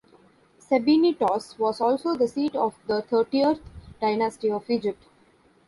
Sebennytos was also the seat of the Thirtieth Dynasty of Egypt.